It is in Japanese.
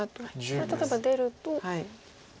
これ例えば出ると。